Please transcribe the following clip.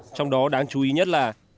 trong đó đáng chú ý nhất là